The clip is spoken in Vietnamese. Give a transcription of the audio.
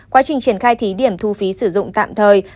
quá trình triển khai thí điểm thu phí sử dụng tạm thời